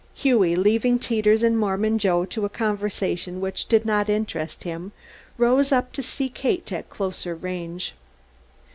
Hughie, leaving Teeters and Mormon Joe to a conversation which did not interest him, rode up to see Kate at closer range.